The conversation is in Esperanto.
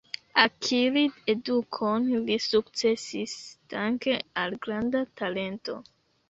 Akiri edukon li sukcesis dank al granda talento.